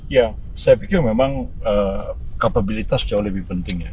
ya saya pikir memang kapabilitas jauh lebih penting ya